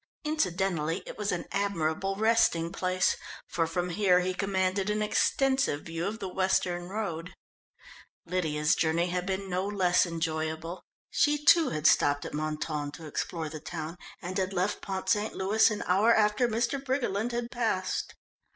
Incidentally it was an admirable resting place, for from here he commanded an extensive view of the western road. Lydia's journey had been no less enjoyable. She, too, had stopped at Mentone to explore the town, and had left Pont St. Louis an hour after Mr. Briggerland had passed.